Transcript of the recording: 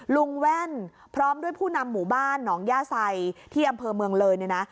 แว่นพร้อมด้วยผู้นำหมู่บ้านหนองย่าไซที่อำเภอเมืองเลยเนี่ยนะ